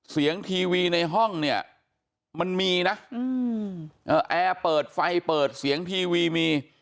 ทีวีในห้องเนี่ยมันมีนะแอร์เปิดไฟเปิดเสียงทีวีมี